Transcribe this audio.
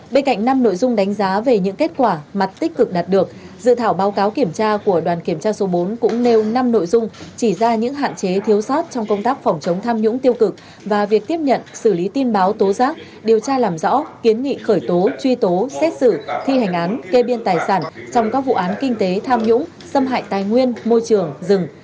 bên cạnh năm nội dung đánh giá về những kết quả mặt tích cực đạt được dự thảo báo cáo kiểm tra của đoàn kiểm tra số bốn cũng nêu năm nội dung chỉ ra những hạn chế thiếu sót trong công tác phỏng chống tham nhũng tiêu cực và việc tiếp nhận xử lý tin báo tố giác điều tra làm rõ kiến nghị khởi tố truy tố xét xử thi hành án kê biên tài sản trong các vụ án kinh tế tham nhũng xâm hại tài nguyên môi trường rừng